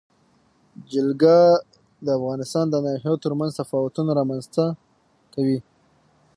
جلګه د افغانستان د ناحیو ترمنځ تفاوتونه رامنځ ته کوي.